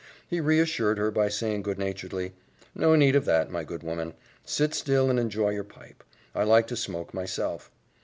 He reassured her by saying good naturedly, "No need of that, my good woman. Sit still and enjoy your pipe. I like to smoke myself.